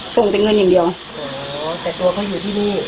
ส่งแต่เงินอย่างเดียวแต่ตัวเขาอยู่ที่นี่